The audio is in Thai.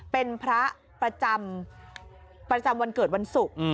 เป็นพระประจำวันเกิดวันศุกร์